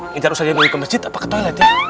ngincar ustazah nuyuy ke masjid apa ke toilet ya